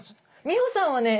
美穂さんはね